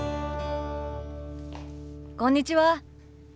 こんにちは。